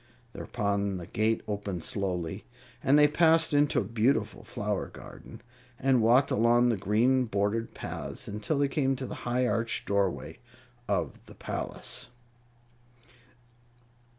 Thereupon the gate opened slowly, and they passed into a beautiful flower garden, and walked along the green bordered paths until they came to the high arched doorway of the palace.